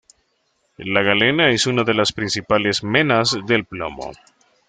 La galena es una de las principales menas del plomo.